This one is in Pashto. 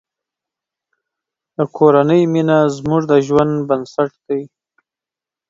د کورنۍ مینه زموږ د ژوند بنسټ دی.